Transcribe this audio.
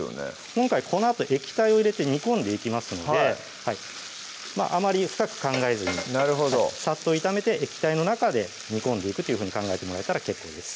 今回このあと液体を入れて煮込んでいきますのであまり深く考えずになるほどサッと炒めて液体の中で煮込んでいくというふうに考えてもらえたら結構です